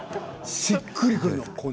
しっくりくる。